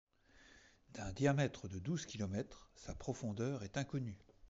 D'un diamètre de douze kilomètres, sa profondeur est inconnue.